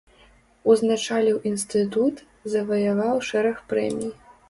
Узначаліў інстытут, заваяваў шэраг прэмій.